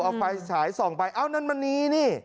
เอาไฟฉายส่องไปเอ้านั่นมณีนี่